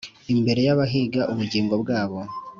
imbere y abahiga ubugingo bwabo